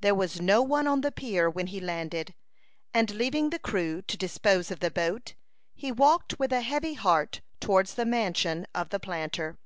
There was no one on the pier when he landed; and leaving the crew to dispose of the boat, he walked with a heavy heart towards the mansion of the planter.